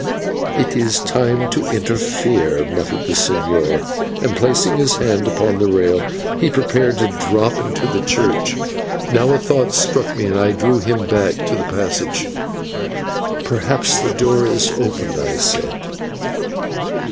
"It is time to interfere," muttered the señor, and, placing his hand upon the rail, he prepared to drop into the church. Now a thought struck me, and I drew him back to the passage. "Perhaps the door is open," I said.